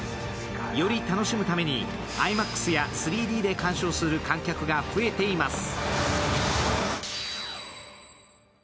寄り楽しむためにＩＭＡＸや３Ｄで鑑賞する観客が増えています。